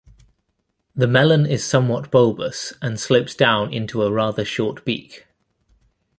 The melon is somewhat bulbous and slopes down into a rather short beak.